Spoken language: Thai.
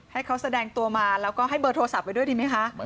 ให้เขาแสดงตัวมาแล้วก็ให้เบอร์โทรศัพท์ไว้ด้วยดีไหมคะ